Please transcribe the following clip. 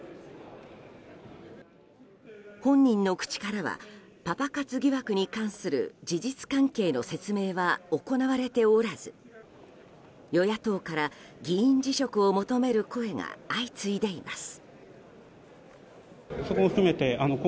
本人の口からはパパ活疑惑に関する事実関係の説明は行われておらず与野党から議員辞職を求める声が相次いでいます。